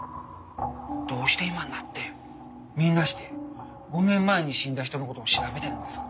どうして今になってみんなして５年前に死んだ人の事を調べてるんですか？